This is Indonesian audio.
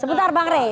sebentar bang rey